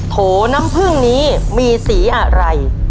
โถน้ำพึ่งนี้มีสีอะไร